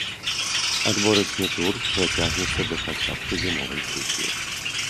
Адборачны тур працягнецца да пачатку зімовай сесіі.